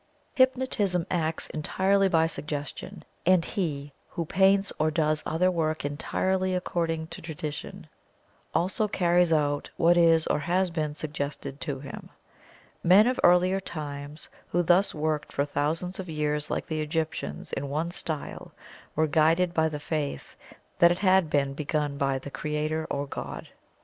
Hypnotism acts entirely by suggestion, and he who paints or does other work entirely according to Tradition, also carries out what is or has been suggested to him. Men of earlier times who thus worked for thousands of years like the Egyptians in one style, were guided by the faith that it had been begun by the Creator or God.